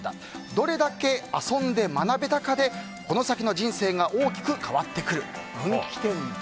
どれだけ遊んで学べたかでこの先の人生が大きく変わってくる、分岐点だ。